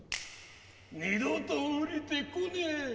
二度とおりてこねえ。